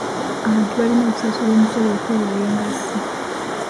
Abantu balina okusasula emisolo okwewala engassi.